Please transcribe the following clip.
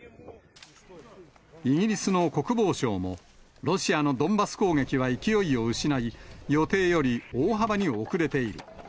イギリスの国防省も、ロシアのドンバス攻撃は勢いを失い、予定より大幅に遅れている。